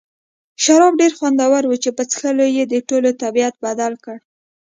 شراب ډېر خوندور وو چې په څښلو یې د ټولو طبیعت بدل کړ.